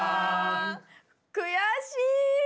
悔しい。